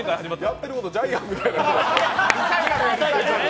やってることジャイアンみたい。